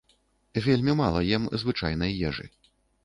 Вельмі мала ем звычайнай ежы.